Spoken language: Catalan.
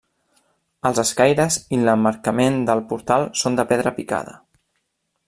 Els escaires i l'emmarcament del portal són de pedra picada.